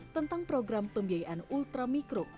tentang program pembiayaan ultramikrob